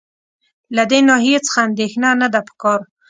له دې ناحیې څخه اندېښنه نه ده په کار.